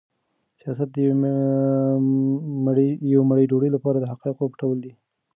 سیاست د یوې مړۍ ډوډۍ لپاره د حقایقو پټول دي.